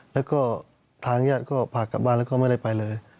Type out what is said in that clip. แล้วก็ทางญาติก็พากลับบ้านแล้วก็ไม่ได้ไปเลย